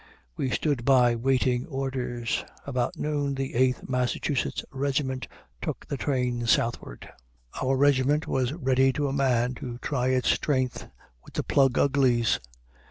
We stood by, waiting orders. About noon the Eighth Massachusetts Regiment took the train southward. Our regiment was ready to a man to try its strength with the Plug Uglies.